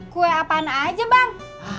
kue apaan aja bang